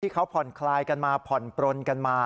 เขาผ่อนคลายกันมาผ่อนปลนกันมา